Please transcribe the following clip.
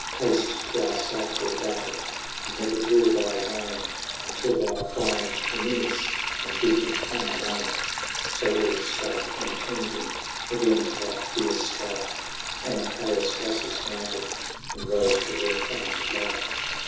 Haste to our southward battle ; And never draw thy rein Until thou find Herminius, And bid him come amain." XXIII. So Aulus spake, and turned him Again to that fierce strife ; And Caius Cossus mounted. And rode for death and life.